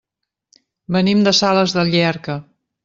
Venim de Sales de Llierca.